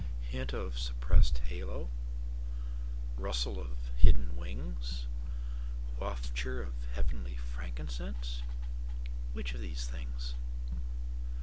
Hint of suppressed halo, Rustle of hidden wings, Wafture of heavenly frankincense,—Which of these things?